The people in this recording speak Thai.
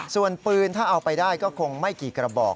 ส่วนปืนถ้าเอาไปได้ก็คงไม่กี่กระบอก